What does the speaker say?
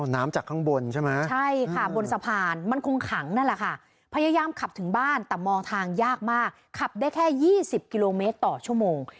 น้ำจากข้างบนใช่ไหมใช่ค่ะบนสะพานมันคงขังนั่นแหละค่ะพยายามขับถึงบ้านแต่มองทางยากมากขับได้แค่๒๐กิโลเมตรต่อชั่วโมง